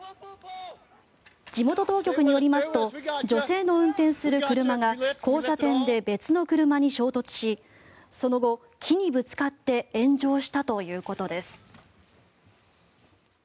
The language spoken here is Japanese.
地元当局によりますと女性の運転する車が交差点で別の車に衝突しその後、木にぶつかって炎上したということです。